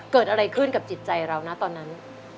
เกิดอะไรขึ้นกับจิตใจเรานะตอนนั้น